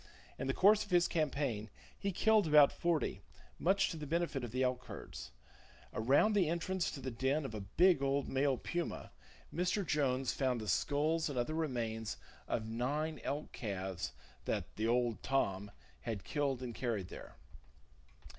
In the course of his campaign he killed about forty, much to the benefit of the elk herds. Around the entrance to the den of a big old male puma, Mr. Jones found the skulls and other remains of nine elk calves that "the old Tom" had killed and carried there.